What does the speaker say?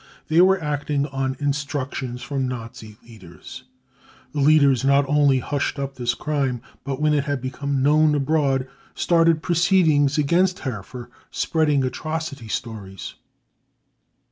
They were acting on instruction^from the Nazi leaders. The leaders not only hushed up this crime, but when it had become known abroad started proceedings against her for spreading " atrocity stories."